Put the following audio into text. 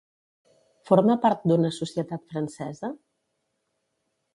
Forma part d'una societat francesa?